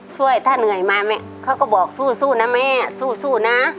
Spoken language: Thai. ช่วยถ้าเหนื่อยมาแม่เขาก็บอกสู้นะแม่สู้นะ